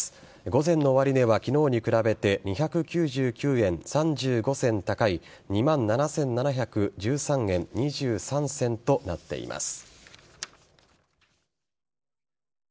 午前の終値は昨日に比べて２９９円３５銭高い２万７７１３円２３銭となっています。